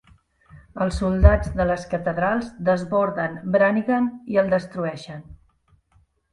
Els soldats de les catedrals desborden Brannigan i el destrueixen.